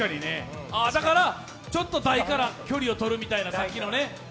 だから、ちょっと台から距離を取るみたいな、さっきのね。